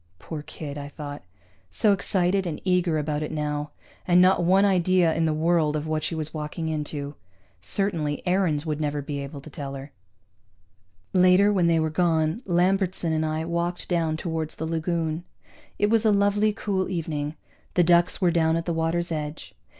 Poor kid, I thought. So excited and eager about it now. And not one idea in the world of what she was walking into. Certainly Aarons would never be able to tell her. Later, when they were gone, Lambertson and I walked down toward the lagoon. It was a lovely cool evening; the ducks were down at the water's edge.